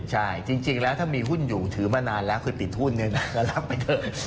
ใช่จริงแล้วถ้ามีหุ้นอยู่ถือมานานแล้วคือติดหุ้นเนี่ยนะรับไปเถอะ